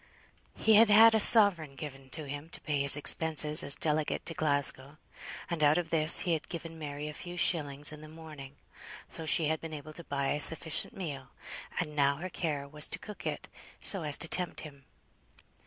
He had had a sovereign given him to pay his expenses as delegate to Glasgow, and out of this he had given Mary a few shillings in the morning; so she had been able to buy a sufficient meal, and now her care was to cook it so as most to tempt him.